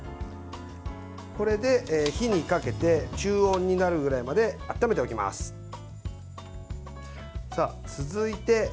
これで、火にかけて中温になるぐらいまで温めておきます。